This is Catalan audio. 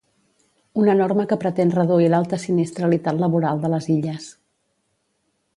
Una norma que pretén reduir l’alta sinistralitat laboral de les Illes.